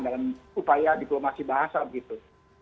dalam upaya diplomasi bahasa begitu